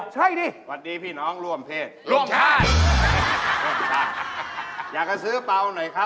สวัสดีคำจะซื้ออะไรคะ